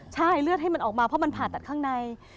ใช่เลือดให้มันออกมาเพราะมันผ่าตัดข้างใน